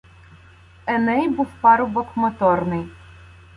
Еней був парубок моторний